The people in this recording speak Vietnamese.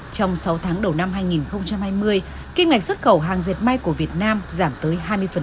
trong sáu tháng đầu năm hai nghìn hai mươi kim ngạch xuất khẩu hàng dệt may của việt nam giảm tới hai mươi